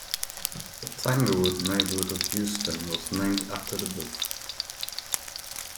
The Tanglewood neighborhood of Houston was named after the book.